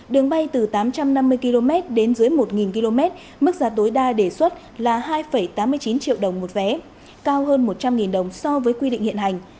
đường bay từ tám trăm năm mươi km đến dưới một km mức giá tối đa đề xuất là hai tám mươi chín triệu đồng một vé cao hơn một trăm linh đồng so với quy định hiện hành